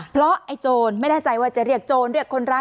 เพราะไอ้โจรไม่แน่ใจว่าจะเรียกโจรเรียกคนร้าย